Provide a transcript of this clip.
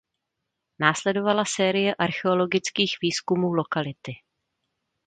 Následovala série archeologických výzkumů lokality.